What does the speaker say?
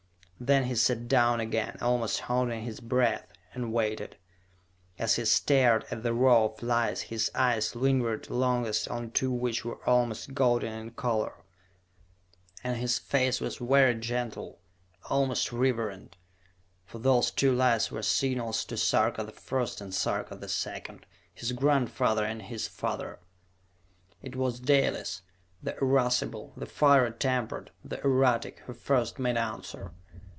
Then he sat down again, almost holding his breath, and waited. As he stared at the row of lights his eyes lingered longest on two which were almost golden in color and his face was very gentle, almost reverent. For those two lights were signals to Sarka the First and Sarka the Second, his grandfather and his father! It was Dalis, the irascible, the fiery tempered, the erratic, who first made answer.